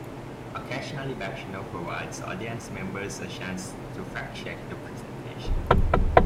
Occasionally backchannel provides audience members a chance to fact-check the presentation.